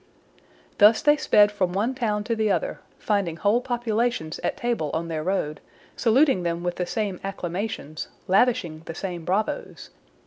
Thus they sped from one town to the other, finding whole populations at table on their road, saluting them with the same acclamations, lavishing the same bravos!